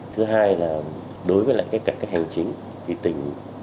thứ hai là đối với lại các hành chính thì tỉnh